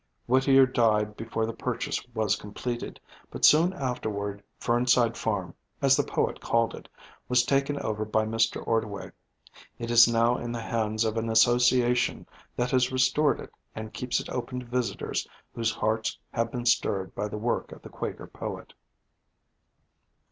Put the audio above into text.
Whittier died before the purchase was completed, but soon afterward Fernside Farm, as the poet called it, was taken over by Mr. Ordway. It is now in the hands of an association that has restored it and keeps it open to visitors whose hearts have been stirred by the work of the Quaker poet.